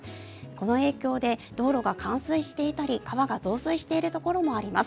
この影響で道路が冠水していたり川が増水しているところもあります。